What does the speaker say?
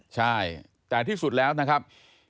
ใช่แต่ที่สุดแล้วนะครับ